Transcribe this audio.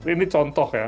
ini contoh ya